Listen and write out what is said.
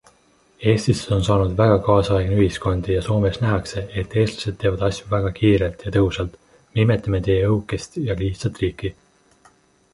Eestist on saanud väga kaasaegne ühiskond ja Soomes nähakse, et eestlased teevad asju väga kiirelt ja tõhusalt, me imetleme teie õhukest ja lihtsat riiki.